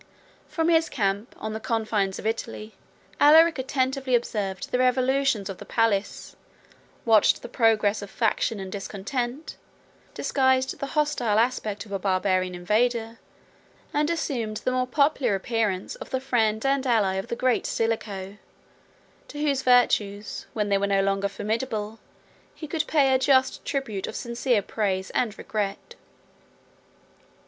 From his camp, on the confines of Italy, Alaric attentively observed the revolutions of the palace, watched the progress of faction and discontent, disguised the hostile aspect of a Barbarian invader, and assumed the more popular appearance of the friend and ally of the great Stilicho: to whose virtues, when they were no longer formidable, he could pay a just tribute of sincere praise and regret.